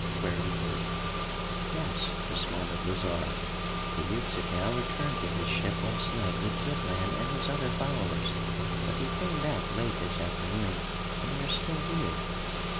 queried Dirk. "Yes," responded Lazarre. "Teuxical returned to his ship last night with Zitlan and his other followers, but they came back late this afternoon, and they are still here.